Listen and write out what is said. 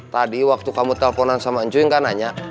tadi waktu kamu telponan sama ncuy gak nanya